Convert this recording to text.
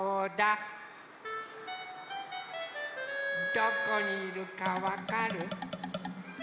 どこにいるかわかる？